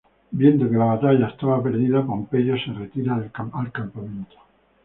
Viendo que la batalla está perdida, Pompeyo se retira al campamento.